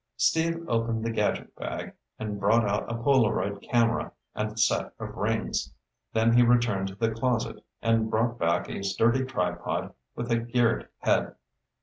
Steve opened the gadget bag and brought out a Polaroid camera and set of rings. Then he returned to the closet and brought back a sturdy tripod with a geared head.